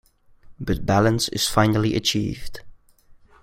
But balance is finally achieved.